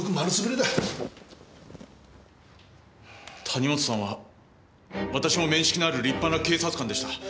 谷本さんは私も面識のある立派な警察官でした。